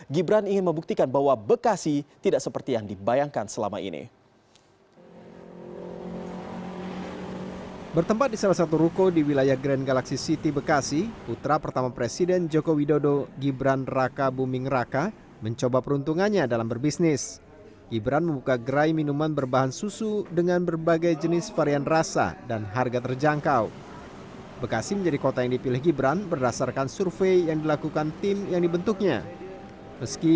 gibran ingin membuktikan bahwa bekasi tidak seperti yang dibayangkan selama ini